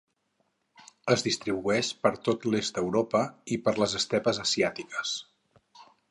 Es distribueix per tot l’est d’Europa i per les estepes asiàtiques.